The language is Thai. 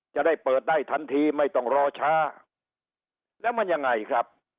จะได้เปิดได้ทันทีไม่ต้องรอช้าแล้วมันยังไงครับ